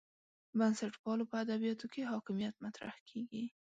بنسټپالو په ادبیاتو کې حاکمیت مطرح کېږي.